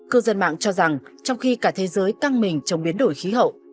cư dân mạng cho rằng trong khi cả thế giới căng mình trong biến đổi khí hậu